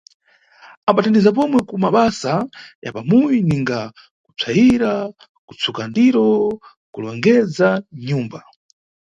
Ambathandiza pomwe kumabasa ya pamuyi ninga kupsayira, kutsuka ndiro, kulongedza nʼnyumba.